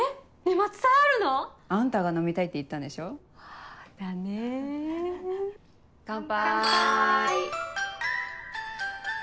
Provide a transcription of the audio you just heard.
松祭あるの？あんたが飲みたいって言ったんでしょ。だね。乾杯！